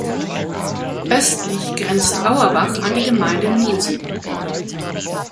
Östlich grenzt Auerbach an die Gemeinde Mülsen.